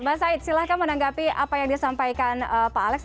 mas said silahkan menanggapi apa yang disampaikan pak alex